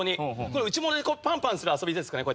これ内ももでこうパンパンする遊びですかね。